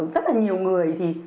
rất là nhiều người thì